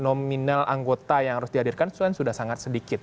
nominal anggota yang harus dihadirkan sudah sangat sedikit